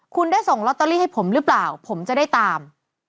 คุณได้ส่งลอตเตอรี่ให้ผมหรือเปล่าผมจะได้ตาม